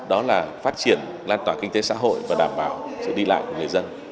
đó là phát triển lan tỏa kinh tế xã hội và đảm bảo sự đi lại của người dân